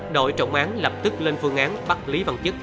đội trọng án lập tức lên phương án bắt lý văn chức